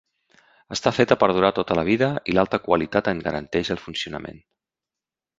Està feta per durar tota la vida i l'alta qualitat en garanteix el funcionament.